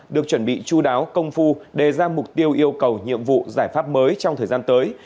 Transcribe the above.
được chuẩn bị chú đáo công phu đề ra mục tiêu yêu cầu nhiệm vụ giải pháp mới trong thời gian tới